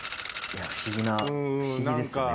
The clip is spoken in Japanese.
不思議な不思議ですよね